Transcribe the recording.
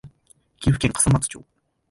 岐阜県笠松町